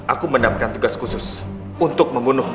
aku mendapatkan tugas khusus untuk membunuhmu